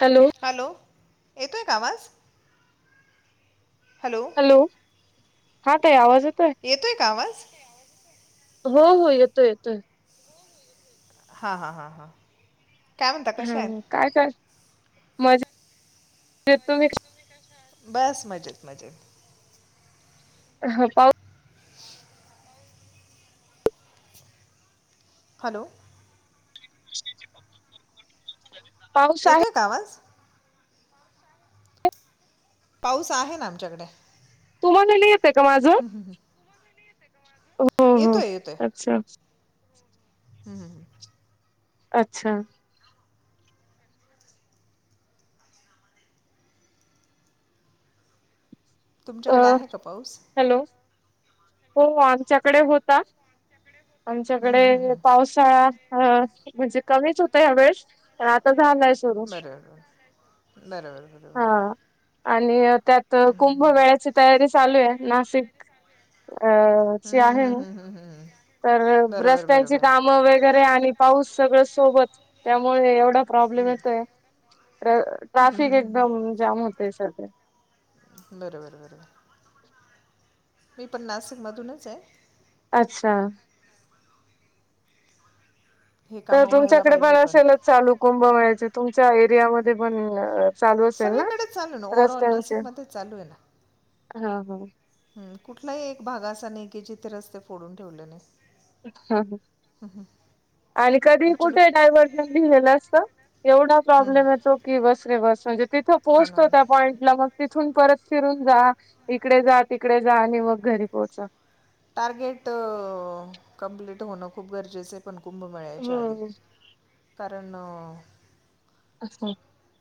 Hello. Hello येतोय का आवाज हॅलो. हॅलो हा तय आवाज येतो आहे. येतोय का आवाज. हो हो येतोय येतोय. हा हा हा हा. हम् काय कर मज तुम्ही. बस मजेत मजेत पा [unintelligible] हॅलो [inaudible] आहे येतोय का आवाज पाऊस आहे ना आमच्याकडे तुम्हाला येत आहे का माझ हो हो येतोय अच्छा हम हम हम अच्छा अ तुमच्याकडे आहे का पाऊस हॅलो हो आमच्याकडे होता हम्म, हम्म, हम्म, आमच्याकडे हम्म. पाऊस म्हणजे कमीच होत ह वेळेस प आता झा बरबरं बरोबरं हा. बरोबर आणि त्यात कुंभ वेळ्याची तयारी चालू आहे नाशिक अ हम ची आहे हम हम हम हम हम तर रस्त्यांची कामं वगैरे आणि पाऊस सगळं सोबत त्यामुळे एवढं प्रॉब्लेम येतय ट्राफिक एकदम जाम होतेय सध्या बरं बरं बरं बरं मी पण नाशिक मधूनच आहे अच्छा हे तर कामं व्हायला तुमच्याकडे पण पाहिजे असेलच चालू कुंभ मिळायचे तुमच्या एरियामध्ये पण चालू अस असेल ना सगळीकडेच चालू आहे ना ओव्हरऑल रस्त्यांचे नाशिकमध्येच हा हा हम कुठलाही एक भाग असा नाही की जिथे रस्ते फोडून ठेवले नाही ह आणि कधी ॲक्च्युली कुठे डायवर लं अस एवढा प्रॉब्लेम हो येतो की बस रे बस म्हणजे तिथं ना पोहोचतो हो ना त्या पॉईंटला मग तिथून परत फिरून जा इकडे जा तिकडे जा आणि मग घरी पोहोचा टार्गेट कंप्लीट होणं खूप गरजेचं पण कुंभ मिळाच्या आधी हम्म कारण अा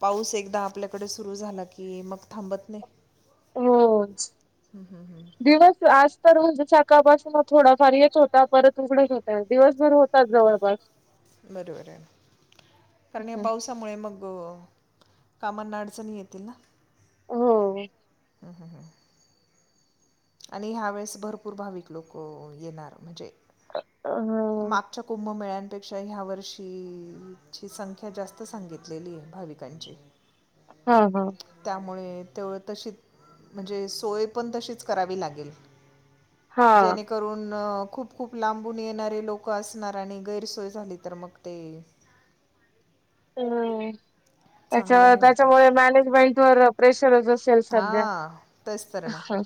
पाऊस एकदा आपल्याकडे सुरू झाला की मग थांबत नाही हो हं, हं, हं. दिवस आज तर म्हणजे साकाळपासून मग थोडाफार येत होता परत उघडत होत दिवसभर होतात जवळपास बरोबर कारण या पास त्यामुळे मग कामांना अडचणी येतील ना हो ह ह हां आणि ह्या वेळेस भरपूर भाविक लोक येणार म्हणजे अ हा मागच्या कुंभमेळ्यांपेक्षा ह्या वर्षीची संख्या जास्त सांगित घलेली आहे भाविकांची हा हा त्यामुळे तेवं तशी म्हणजे सोय पण तशीच करावी लागेल हा जेणेकरून खूप खूप लांबून येणारे लोक असणार आणि गैरसोय झाली तर मग ते चांगलं त्याच्या नाही त्याच्यामुळे वाटत मॅनेजमेंट वर प्रेशरच केल साध्या हां तेच तर ना ह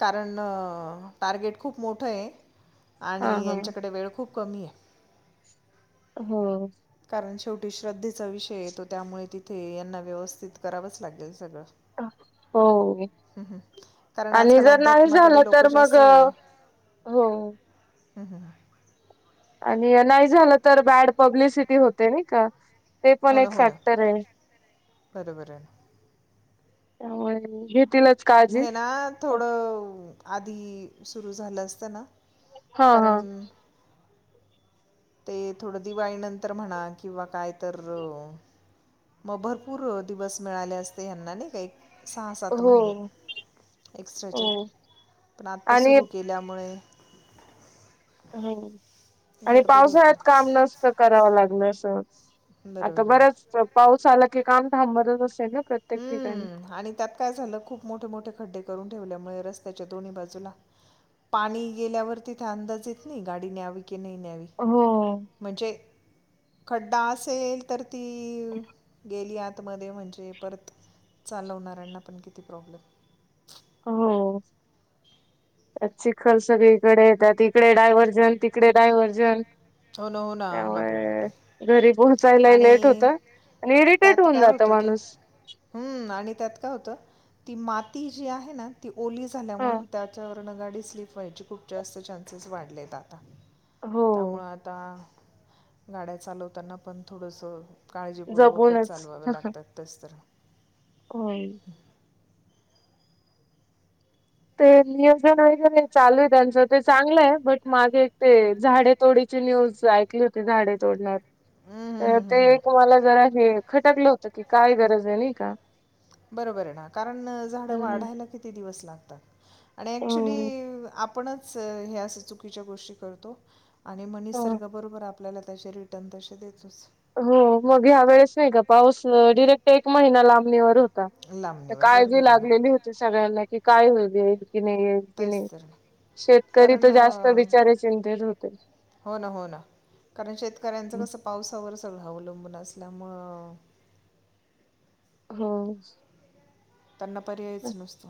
कारण टार्गेट खूप मोठं आहे हा आणि हा यांच्याकडे वेळ खूप कमी आहे हो कारण शेवटी श्रद्धेचा विषय येतो त्यामुळे तिथे यांना व्यवस्थित करावंच लागेल सगळं. हो. हं. कारण आणि आजकाल जर नाही झालं अध्यात्माकडे लोक तर मग जास्त हो. ह हां. आणि नाही झालं तर बॅड पब्लिसिटी होते नाही का? ते पण हो ना एक हो ना फॅक्टर आहे. बरोबर आहे त्यामुळे घेतीलच. काळजी हे ना थोडं आधी सुरू झालं असतं ना. हा कारण हा ते थोडं दिवाळी नंतर म्हणा किंवा काय तर मग भरपूर दिवस मिळाले असते यांना नाही का सहा सात हो महिने एक्स्ट्राचे हो पण आत्ता आणि सुरू केल्यामुळे ह् आणि गडबड होते पावसाळ्यात काम नस. कराव लागल अस आता बरोबर आहे बर्याच पाऊस आला की काम थांबतच असे ना. प्रत्येक ठिकाणी. हम्म आणि त्यात काय झालं खूप मोठे मोठे खड्डे करून ठेवल्यामुळे रस्त्याच्या दोन्ही बाजूला पाणी गेल्यावर तिथे अंदाज येत नाही गाडी न्यावी की नाही न्यावी हो. म्हणजे खड्डा असेल तर ती गेली आत मध्ये म्हणजे परत चालवणाऱ्यांना पण किती प्रॉब्लेम हो त्यात चिखल सगळीकडे येतात. तिककडे डायव्हर्जन तिकडे डायव्हर्जन हो ना हो ना बापरे त्यामुळे बापरे घरी पोहोचायलाही लेट होत. आणि आणि इरिटेट होऊन जात माणूस हम् आणि त्यात काय होत ती माती जी आहे ना ती ओली झाल्यामुळे त्याच्या गाडी स्लीप व्हायची खूप जास्त चान्सेस वाढलेत आ हो त्यामुळे आता गाड्या चालवताना पण थोडंसं. काळजीपूर्वकच जपूनच चालवावे लागतात तेच तर होई. ते नियोजन वगैरे चालू आहे त्यांचं ते चांगलं आहे बट मागे एक ते झाड. थोडीची न्यूज ऐकली होती झाडे तोडण्यात हम्म, हम्म, हम्म, ते हम्म. तुम्हाला जरा हे खटकलं होत की काय गरज आहे नाही का? बरोबर आहे ना कारण झाडं हम्म. वाढायला किती दिवस लागतात. आणि ऍक्चुली हम्म. आपणच ह्या सु चुकीच्या गोष्टी करतो. आणि मनीस हं. सारखं बरोबर आपल्याला त्याचे रिटर्न तसे देतोच. हो मग ह्या वेळेस नाही का पाऊस डिरेक्ट एक महिना लांबणीवरून लांबणीवर काळजी बरोबर आहे ना लागलेली होती सगळ्यांना की काय होईल येईल की नाही येईल. कि नाही तेच तर ना. शेतकरी कारण तर जास्त अं, बिचारे चिंतेत होते. हो ना हो ना कारण शेतकऱ्यांचं कसं पावसावर सगळं अवलंबून असल्यामुं हो. त्यांना पर्यायच नसतो.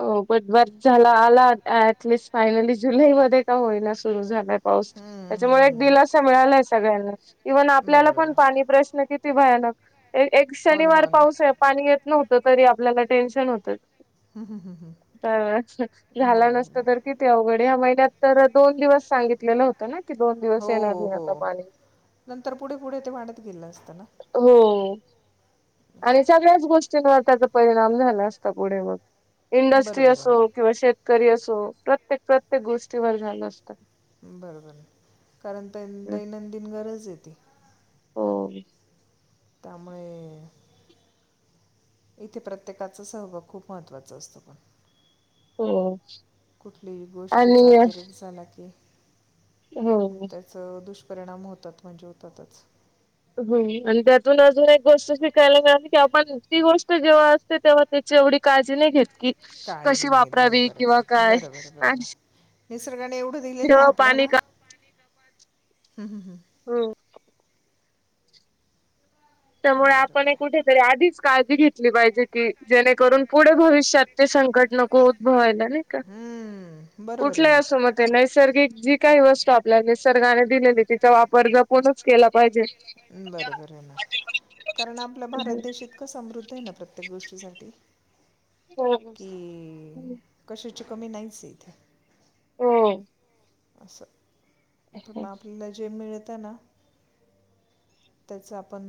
हो पट ब झाला आला ऍटलिस्ट फायनली जुलैमध्येध्ये का होईना सुरू झाला. पाऊस हम्म, हम्म, त्याच्यामुळे एक हम्म. दिलासा मिळालाय सगळ्यांना इव्हन आपल्याला बरोबर पण आहे. पाणी प्रश्न किती व्हायलागत. एक हो ना शनिवार हो ना पाऊस आहे पाणी येत नव्हतं तरी आपल्याला टेन्शन होतं. हम्म, हम्म, हम्म, हम्म. तर झालं बरोबर नसत आहे. तर तिती अवघड ह्या महिन्यात तर दोन दिवस सांगितलेलं होतं ना की दोन हो दिवस येणार हो नाही आता हो पाणी नंतर पुढे पुढे ते वाढत गेलं असतं ना. हो आणि असं सगळ्याच गोष्टी त्याचा परिणाम झाला असता पुढे मग इंडस्ट्री बरोबर असो. आहे किंवा शेतकरी असो प्रत्येक प्रत्येक गोष्टीवर झालं असतात. बरं बर कारण त दैनंदिन गरज आहेे ते. हो त्यामुळे इथे प्रत्येकाचा सहभाग खूप महत्त्वाचा असतो पण हो कुठल्याही आणि गोष्टीचा अतिरेक झाला की हो मग त्याच दुष्परिणाम होतात म्हणजे होतातच. ह आणि त्यातून अजून एक गोष्ट शिकायला मिळाली की आपण ती गोष्ट जेव्हा असते तेव्हा त्याची एवढी काळजी नाही घेत की काळजी कशी नाही घेत वापरावी बरोबर किंवा बरोबर काय बरोबर आ बरोबर निसर्गाने एवढं दिलेलं आहे पाणी आपल्याला का हम्म, हम्म, हो. हम्म. त्यामुळे आपण बरोबर एक आहे कुठेतरी आधीच काळजी घेतली पाहिजे की जेने म्हणून पुढे भविष्यात ते संकट नको उद्भवायला नाही का? हम्म, बरोबर आहे कुठल्या ही ना असो मग ते नैसर्गिक जी काही वस्तू आपल्या निसर्गाने दिलेली तिचा वापर जपूनच केला पाहिजे. बरोबर आहे ना कारण आपला भारत देश इतकं समृद्ध आहे ना प्रत्ये प्रत्येक गोष्टीसाठी हो. कि कशाची कमी नाहीचय इथे. हो. असं पण आपल्याला जे मिळत आहे ना त्याच आपण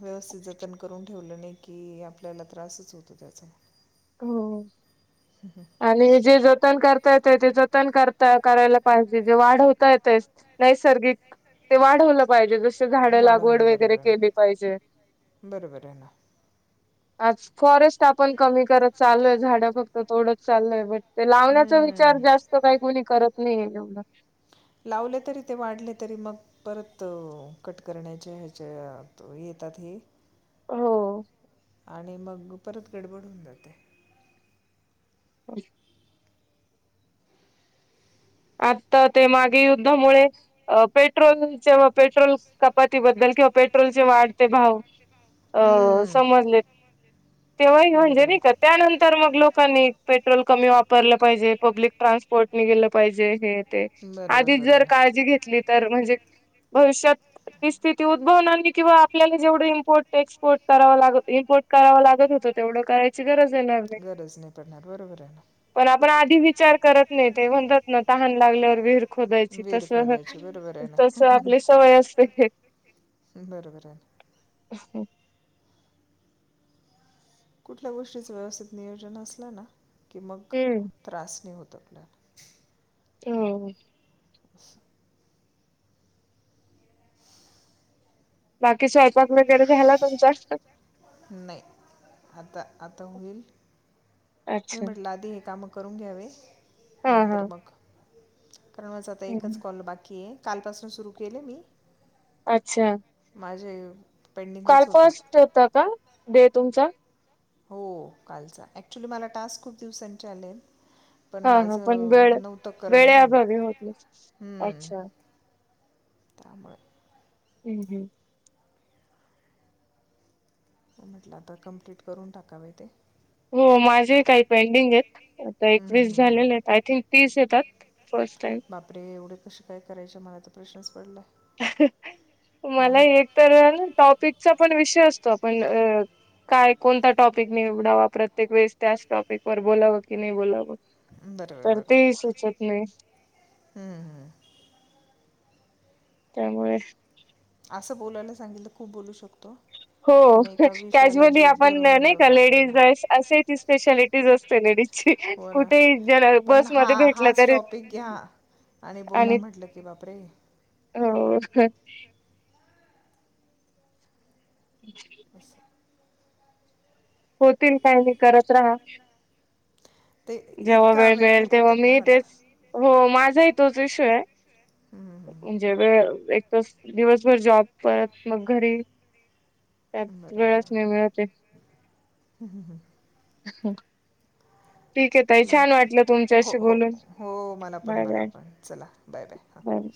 व्यवथित जतन करून ठेवलं नाही की आपल्याला त्रासच होतो त्याचा. हो आणि जे जतन करता येत ते जतन करता करायला पाहिजे जे वाढ होता येते नैसर्गिक ते वाढवलं पाहिजे जस झाड लागवड वाढवलं वगैरे बरोबर केली आहे पाहिजे. बरोबर आहे ना. आज फॉरेस्ट आपण कमी करत चाललोय झाड फक्त तोडत चाललोय बट ते लावण्याचा विचार हम्म. जास्त काही कोणी करत नाहीये एवढ लावले तरी ते वाढले तरी मग. परत कट करण्याचे ह्याच्या येतात हे हो आणि मग परत गडबड होऊन जाते. होय. आता ते मागे युद्धामुळे पेट्रोलच्या पेट्रोल कपातीबद्दल कि पेट्रोलचे वाढते भाव अ हम्म. समजले तेव्हाही समजले म्हंजे बरोबर. नाही त्यानंतर मग लोकांनी पेट्रोल कमी वापरलं पाहिजे पब्लिक ट्रान्सपोर्ट नि गेलं पाहिजे हे ते बरोबर आधीच जर बरोबर. काळजी घेतली तर म्हणजे भविष्यात. ती स्थिती उद्भवणार किंवा आपल्याला जेवढ इम्पोर्ट एक्सपोर्ट करावा लागत इम्पोर्ट कराव लागत होतं तेवढं करायची गरज येणार नाही. गरज नाही पडणार पडणार. बरोबर आहे ना पण आपण आधी विचार करत नाही ते म्हणतात ना तहान लागल्यावर विर खोदायची विहीर तस खोदायची बरोबर आहे ना तस आपली सवय असते. बरोबर आहे. [unintelligible] कुठल्या गोष्टीचं व्यवस्थित नियोजन असलं ना की मग हम्म त्रास नाही होत आपल्याला. हो. [unintelligible] बाकी स्वयंपाक वगैरे झाला तुमचा. नाही आता आता होईल. मी अच्छा म्हटलं आधी हे काम करून घ्यावे हा नंतर मग कारण माझा आता हा एकच कॉल बाकी आहे कालपासून सुरू केलं मी अच्छा. माझे काल पेंडिंगच होते फर्स्ट होता का डे तुमचा. हो कालचा, अऍक्च्युली मला टास्क खूप दिवसांचे आलेत. पण हा माझ हा पण वेळ नव्हत करण झाल. वेळेअभावी होते. हम्म अच्छा त्याामुळे हम्म हम्म म्हट आता कम्प्लीट करून टाकावे ते. हो माझे काही पेंडिंग आहेत. आता हम्म, एकवीस हम्म, हम्म. झालेले आहेत. आय थिंक तीस येतात. फस्ट टाईम बापरे एवढे कसे काय करायचे, मला तर प्रश्नच पडलाय. मला एक तर टॉपिकचा पण काय कोणता टॉपिक निवडावा प्रत्येक वेळेस, त्याच टॉपिक वर बोलावं की नाही बोलावं. बरं बरं तर बरं तेही सुचत नाही. हम्म हम्म त्यामुळे असं बोलायला सांगितल खूप बोलू शकतो. हो पण मग एका विषयाला कॅज्युअली बोध आपण धरून बंद नाही का बापरे लेडीज असे ती स्पेशालिटीज असते लेडीज. हो ना कुठेही जला पण हा बसमध्ये भेटलं हाच तरी टॉपिक घ्या आणि बोला म्हटलं की, बापरे हो [inaudible] [unintelligible] होतील काही नाही, करत राहा. ते जेव्हा इतका वेळ नाही मिळेल तेव्हा भेटत ना मी मला तेच हो माझाही तोच इशु आहे. हम्म, म्हणजे वेळ एकच दिवसभर जॉब परत मग घरी त्यात वेळच बरोबर नाही मिळत हुं हुं हुं [inaudible] ठीक आहे ताई. चला छान वाटलं हो तुमच्याशी हो बोलून. हो मला पण बाय मला बाय पण चला बाय हां बाय.